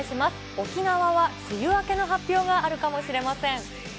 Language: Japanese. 沖縄は梅雨明けの発表があるかもしれません。